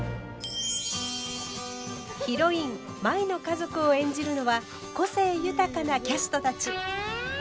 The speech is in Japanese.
ヒロイン舞の家族を演じるのは個性豊かなキャストたち。